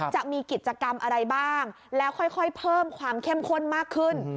จะมีกิจกรรมอะไรบ้างแล้วค่อยเพิ่มความเข้มข้นมากขึ้น